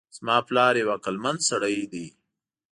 زما پلار یو عقلمند سړی ده